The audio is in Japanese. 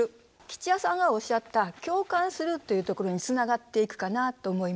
吉弥さんがおっしゃった「共感する」というところにつながっていくかなと思います。